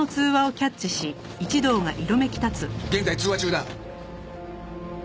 現在通話中だ。